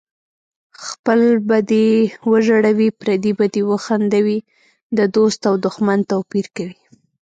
خپل به دې وژړوي پردی به دې وخندوي د دوست او دښمن توپیر کوي